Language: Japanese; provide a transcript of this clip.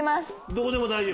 どこでも大丈夫？